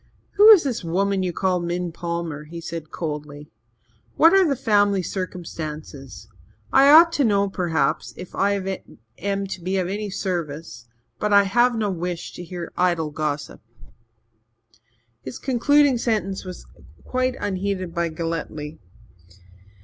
"Who is this woman you call Min Palmer?" he said coldly. "What are the family circumstances? I ought to know, perhaps, if I am to be of any service but I have no wish to hear idle gossip." His concluding sentence was quite unheeded by Galletly.